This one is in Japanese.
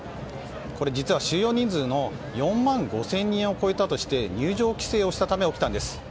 これ実は収容人数の４万５０００人を超えたとして入場規制をしたため起きたんです。